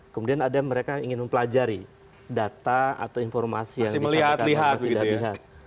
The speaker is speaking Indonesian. kemudian ada mereka ingin mempelajari data atau informasi yang disampaikan oleh mas ida dihad